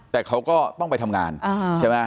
แต่เขาก็ต้องไปทำงานใช่ไหม